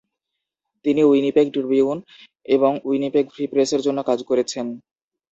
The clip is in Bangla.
তিনি "উইনিপেগ ট্রিবিউন" এবং "উইনিপেগ ফ্রি প্রেস" এর জন্য কাজ করেছেন।